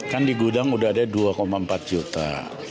kan di gudang udah ada dua empat juta